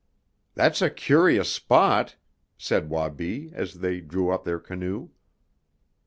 "That's a curious spot!" said Wabi as they drew up their canoe.